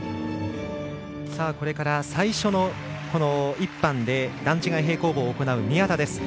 最初の１班で段違い平行棒を行う宮田です。